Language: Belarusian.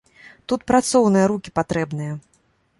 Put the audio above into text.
Тут працоўныя рукі патрэбныя.